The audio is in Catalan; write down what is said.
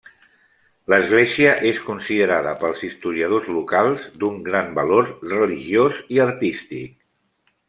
L'església és considerada pels historiadors locals d'un gran valor religiós i artístic.